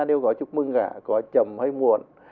đều có chúc mừng cả có chầm hay muộn